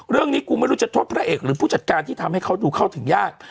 กูไม่รู้จะโทษพระเอกหรือผู้จัดการที่ทำให้เขาดูเข้าถึงยาก